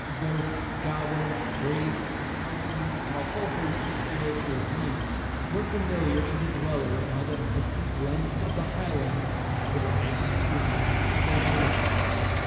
Ghosts, goblins, wraiths, kelpies, and a whole host of spiritual beings, were familiar to the dwellers by the misty glens of the Highlands and the romantic streams of the Lowlands.